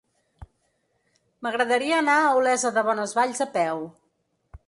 M'agradaria anar a Olesa de Bonesvalls a peu.